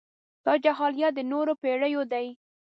دا جاهلیت د نورو پېړيو دی.